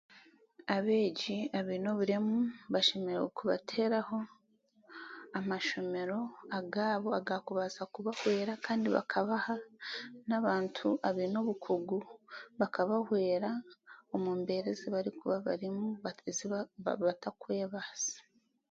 Abeegi abaine oburemu bashemereire kubateraho amashomero agaabo agakubasa kubahweera kandi bakabaha n'abantu abeine obukugu bakabahwera omu mbeera ezibarikuba barimu ezibak batakwebasa.